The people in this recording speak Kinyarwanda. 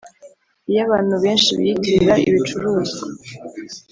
Iyo abantu benshi biyitirira ibicuruzwa